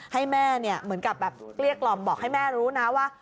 ให้แม่เหมือนกับเรียกลอมบอกให้แม่รู้นะว่า